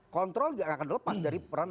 kontrol tidak akan lepas dari peran